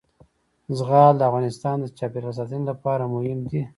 زغال د افغانستان د چاپیریال ساتنې لپاره مهم دي.